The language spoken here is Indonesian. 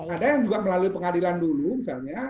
ada yang juga melalui pengadilan dulu misalnya